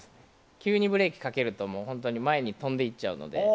急にブレーキをかけると前に飛んでいっちゃうので。